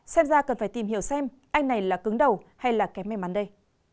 xem ra cần phải tìm hiểu xem anh này là cứng đầu hay là kém may mắn đây